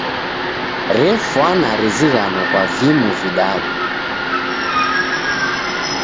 Refwana rizighano kwa vimu vidadu.